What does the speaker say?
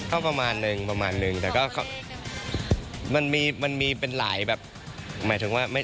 ก็ประมาณนึงประมาณนึงแต่ก็มันมีมันมีเป็นหลายแบบหมายถึงว่าไม่